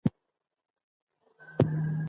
موږ باید د اړتیا په اندازه مصرف وکړو.